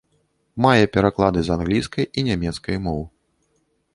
Мае пераклады з англійскай і нямецкай моў.